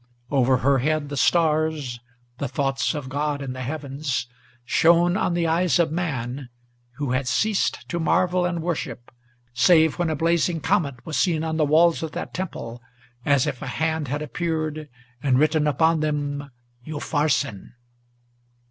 Over her head the stars, the thoughts of God in the heavens, Shone on the eyes of man, who had ceased to marvel and worship, Save when a blazing comet was seen on the walls of that temple, As if a hand had appeared and written upon them, "Upharsin."